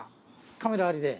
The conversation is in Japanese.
カメラありで。